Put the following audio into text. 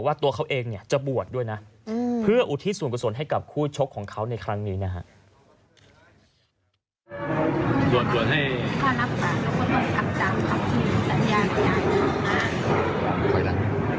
การทับทางนะครับทหัสยาห์อย่างมั่นตา